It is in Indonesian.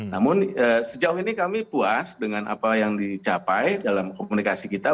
namun sejauh ini kami puas dengan apa yang dicapai dalam komunikasi kita